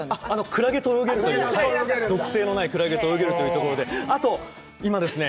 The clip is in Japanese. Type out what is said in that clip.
クラゲと泳げるという毒性のないクラゲと泳げるという所であと今ですね